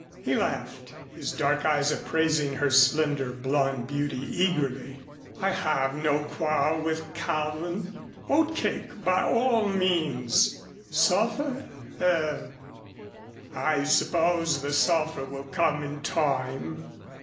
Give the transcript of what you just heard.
He laughed, his dark eyes appraising her slender blond beauty eagerly. "I have no quarrel with Calvin. Oatcake by all means. Sulphur er I suppose the sulphur will come in time."